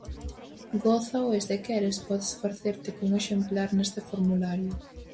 Gózao e se queres, podes facerte cun exemplar neste formulario.